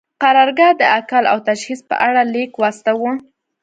قرارګاه د اکل او تجهیز په اړه لیک واستاوه.